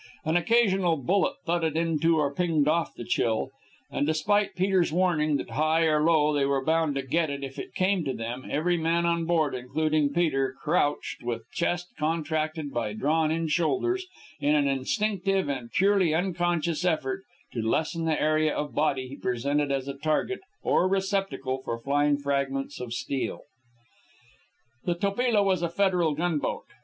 An occasional bullet thudded into or pinged off the Chill, and, despite Peter's warning that, high or low, they were bound to get it if it came to them, every man on board, including Peter, crouched, with chest contracted by drawn in shoulders, in an instinctive and purely unconscious effort to lessen the area of body he presented as a target or receptacle for flying fragments of steel. The Topila was a federal gunboat.